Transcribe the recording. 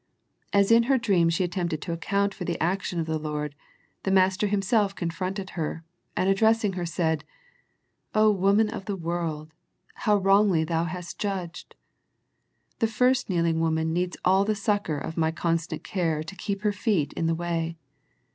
As in her dream she attempted to account for the action of the Lord, the Master Himself confronted her, and addressing her said, " Oh woman of the world, — how wrongly hast thou judged. The first kneeling woman needs all the succour of My constant care to keep her feet in the way.